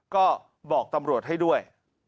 ก็บอกตำรวจให้ด้วย